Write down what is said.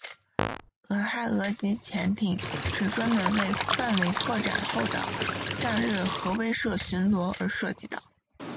俄亥俄级潜艇是专门为范围扩展后的战略核威慑巡逻而设计的。